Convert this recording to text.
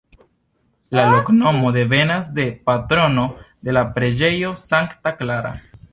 La loknomo devenas de patrono de la preĝejo Sankta Klara.